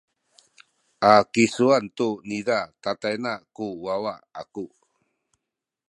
a kisuen tu niza tatayna ku wawa aku.